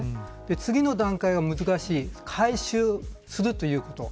次の段階は難しい回収するということ。